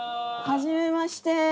初めまして。